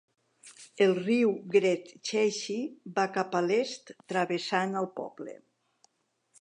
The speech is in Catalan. El riu Great Chazy va cap a l'est travessant el poble.